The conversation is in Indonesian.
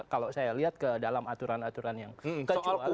kalau saya lihat ke dalam aturan aturan yang kecuali